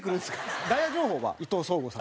『ダイヤ情報』は伊藤壮吾さん。